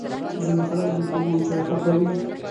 ځینې خلک بې خوږو چای خوښوي.